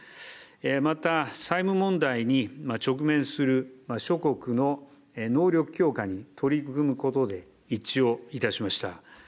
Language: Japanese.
また、債務問題に直面する諸国の能力強化に取り組むことで一致をいたしました。